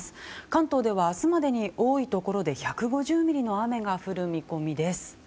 関東では明日までに多いところで１５０ミリの雨が降る見込みです。